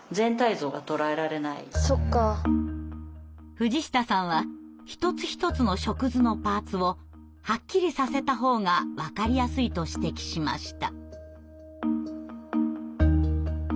藤下さんは一つ一つの触図のパーツをはっきりさせた方が分かりやすいと指摘しました。